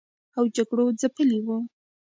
او جګړو ځپلي و